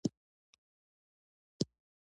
دا مېوه د ځیګر ناروغیو لپاره مفیده ده.